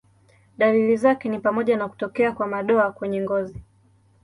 Dalili zake ni pamoja na kutokea kwa madoa kwenye ngozi.